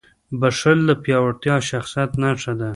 • بښل د پیاوړي شخصیت نښه ده.